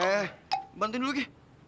eh bantuin dulu gi